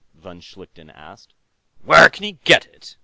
von Schlichten asked. "Where can he get it?"